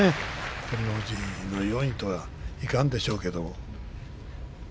照ノ富士のようにはいかんでしょうけれども。